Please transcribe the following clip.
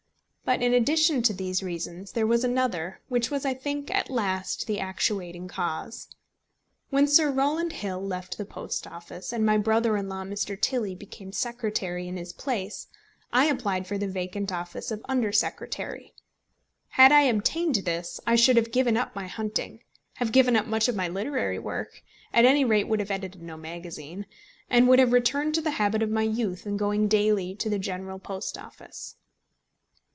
But in addition to these reasons there was another, which was, I think, at last the actuating cause. When Sir Rowland Hill left the Post Office, and my brother in law, Mr. Tilley, became Secretary in his place, I applied for the vacant office of Under Secretary. Had I obtained this I should have given up my hunting, have given up much of my literary work, at any rate would have edited no magazine, and would have returned to the habit of my youth in going daily to the General Post Office.